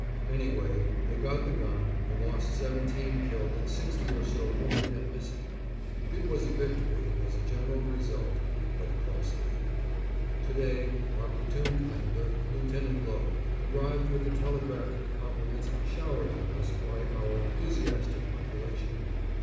Anyway, they got the gun, and lost seventeen killed and sixty or so wounded and missing. It was a victory, as a general result, but costly. To day our platoon commander, Lieutenant Lowe, arrived with the telegraphic compliments showered on us by our enthusiastic population.